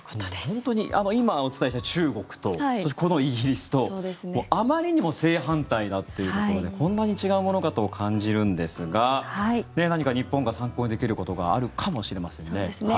本当に今お伝えした中国とそして、このイギリスとあまりにも正反対だということでこんなに違うものかと感じるんですが何か日本が参考にできることがあるかもしれませんね。